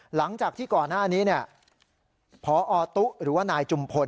หลังจากที่ก่อนหน้านี้พอตุ๊หรือว่านายจุมพล